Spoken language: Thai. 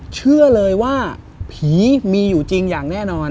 เชื่อเลยว่าผีมีอยู่จริงอย่างแน่นอน